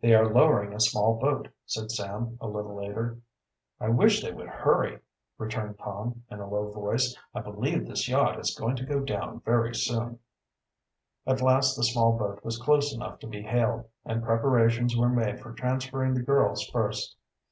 "They are lowering a small boat," said Sam, a little later. "I wish they would hurry," returned Tom, in a low voice. "I believe this yacht is going to go down very soon." At last the small boat was close enough to be hailed, and preparations were made for transferring the girls first.